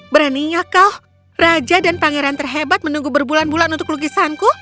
beraninya kau raja dan pangeran terhebat menunggu berbulan bulan untuk lukisanku